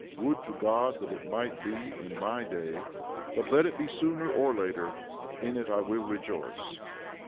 Would to God that it might be in my day; but let it be sooner or later, in it I will rejoice.